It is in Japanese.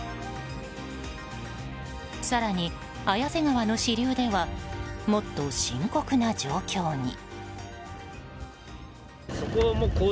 更に、綾瀬市の支流ではもっと深刻な状況に。